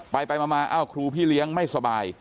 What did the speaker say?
ไปมาเอ้าครูพี่เลี้ยงไม่สบาย